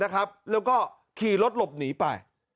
แล้วก็ขี่รถหลบหนีไป